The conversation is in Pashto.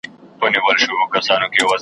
نيمه شپه يې د كور مخي ته غوغا سوه .